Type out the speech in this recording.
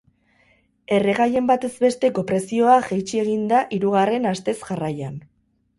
Erregaien batez besteko prezioa jaitsi egin da hirugarren astez jarraian.